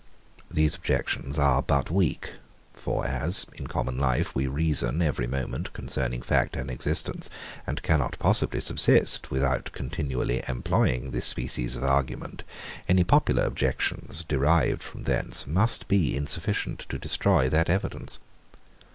These objections are but weak. For as, in common life, we reason every moment concerning fact and existence, and cannot possibly subsist, without continually employing this species of argument, any popular objections, derived from thence, must be insufficient to destroy that evidence.